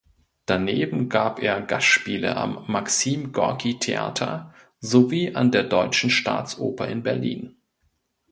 Daneben gab er Gastspiele am Maxim-Gorki-Theater sowie an der Deutschen Staatsoper in Berlin.